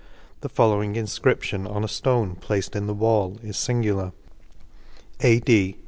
The following infcription, on a ftone placed in the wall, is lingular : AD.